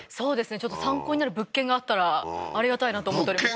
ちょっと参考になる物件があったらありがたいなと思っております